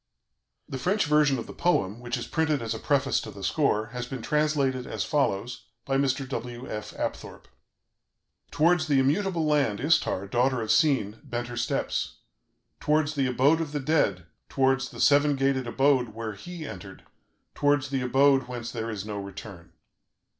The French version of the poem, which is printed as a preface to the score, has been translated as follows by Mr. W. F. Apthorp: "Towards the immutable land Istar, daughter of Sin, bent her steps, towards the abode of the dead, towards the seven gated abode where HE entered, towards the abode whence there is no return.